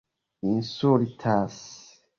insultas